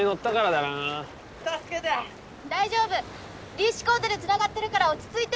リーシュコードでつながってるから落ち着いて。